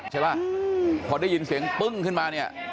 ใช่ไหมพอได้ยินเสียงปึ้งขึ้นมาเนี่ย